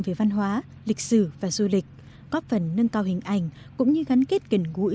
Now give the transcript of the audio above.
về văn hóa lịch sử và du lịch góp phần nâng cao hình ảnh cũng như gắn kết gần gũi